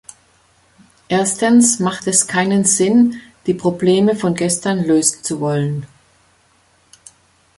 Erstens macht es keinen Sinn, die Probleme von gestern lösen zu wollen.